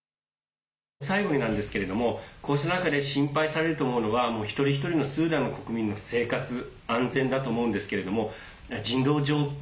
最後になんですけれどもこうした中で心配されると思うのは一人一人のスーダンの国民の生活安全だと思うんですけれども人道状況